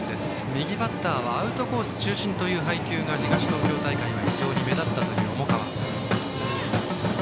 右バッターにはアウトコース中心という配球が東東京大会では目立ったという重川。